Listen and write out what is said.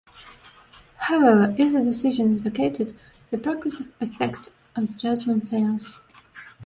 However, if the decision is vacated, the preclusive effect of the judgment fails.